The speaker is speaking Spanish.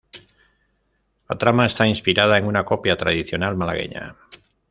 La trama está inspirada en una copla tradicional malagueña.